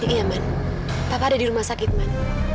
iya man papa ada di rumah sakit man